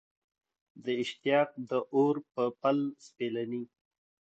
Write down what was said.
د اشتیاق د اور په پل سپېلني